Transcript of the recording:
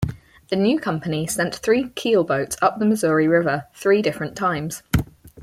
The new company sent three keelboats up the Missouri River, three different times.